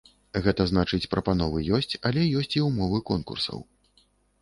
Гэта значыць прапановы ёсць, але ёсць і ўмовы конкурсаў.